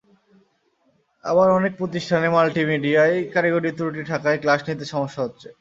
আবার অনেক প্রতিষ্ঠানে মাল্টিমিডিয়ায় কারিগরি ত্রুটি থাকায় ক্লাস নিতে সমস্যা হচ্ছে।